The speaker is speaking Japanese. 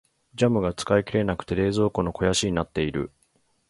ジャムが使い切れなくて冷蔵庫の肥やしになっている。